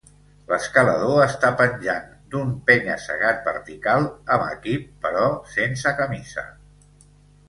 L'escalador està penjant d'un penya-segat vertical amb equip, però sense camisa